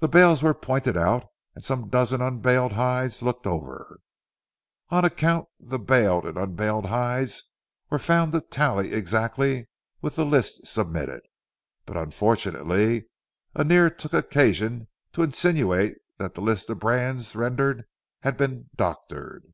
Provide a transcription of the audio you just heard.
The bales were pointed out and some dozen unbaled hides looked over. On a count the baled and unbaled hides were found to tally exactly with the list submitted. But unfortunately Annear took occasion to insinuate that the list of brands rendered had been "doctored."